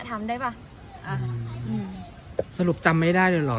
ทำได้ป่ะอ่าอืมสรุปจำไม่ได้เลยเหรอ